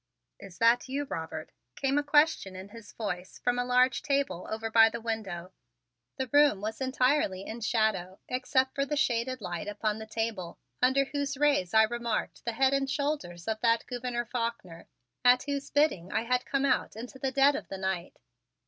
"Is that you, Robert?" came a question in his voice from a large table over by the window. The room was entirely in shadow, except for the shaded light upon the table, under whose rays I remarked the head and shoulders of that Gouverneur Faulkner, at whose bidding I had come out into the dead of the night.